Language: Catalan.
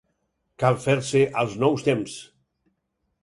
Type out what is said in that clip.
Cal fer-se als nous temps.